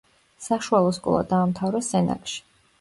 საშუალო სკოლა დაამთავრა სენაკში.